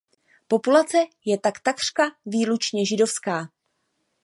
Populace je tak takřka výlučně židovská.